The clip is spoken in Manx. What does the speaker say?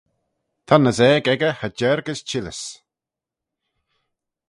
Ta'n aasaag echey cha jiarg as çhillys.